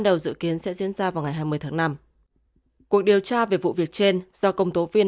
đầu dự kiến sẽ diễn ra vào ngày hai mươi tháng năm cuộc điều tra về vụ việc trên do công tố viên